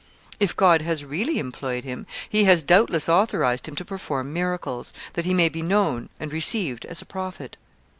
If God has really employed him, He has doubtless authorized him to perform miracles, that he may be known and received as a prophet.